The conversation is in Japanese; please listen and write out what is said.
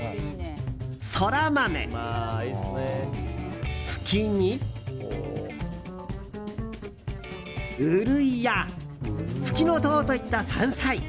ソラマメ、フキにウルイやフキノトウといった山菜。